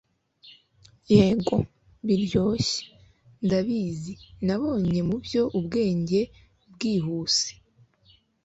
yego, biryoshye, ndabizi; nabonye mubyo ubwenge bwihuse